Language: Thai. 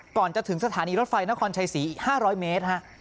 ก่อนจะถึงสถานีรถไฟนครชัยศรีอีก๕๐๐เมตร